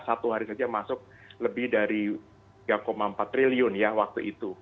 satu hari saja masuk lebih dari tiga empat triliun ya waktu itu